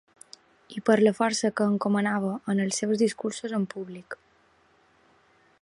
I per la força que encomanava en els seus discursos en públic.